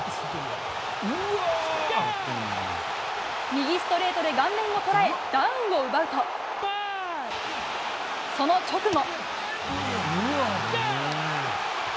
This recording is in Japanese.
右ストレートで顔面を捉えダウンを奪うと、その直後。